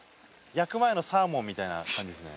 焼く前のサーモンみたいな感じですね。